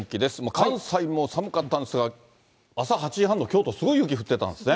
関西も寒かったんですが、朝８時半の京都、すごい雪降ってたんですね。